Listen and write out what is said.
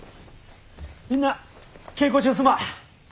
みんな稽古中すまん。